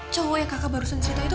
cowok yang kakak baru cerita itu